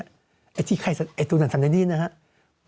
ไอ้ที่ไข้ไอ้ตัวนั้นในนี้นะครับ